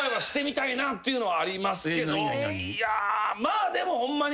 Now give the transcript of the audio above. いやまあでもホンマに。